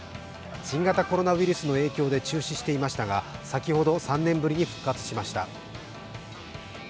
新型コロナウイルスの影響で中止していましたが、先ほど３年ぶりに復活しました。